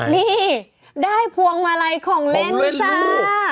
นี่ได้พวงมาลัยของเล่นจ้าของเล่นลูก